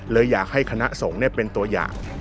เลยอยากให้คณะสงฆ์เป็นตัวอย่าง